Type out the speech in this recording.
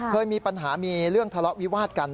เคยมีปัญหามีเรื่องทะเลาะวิวาดกัน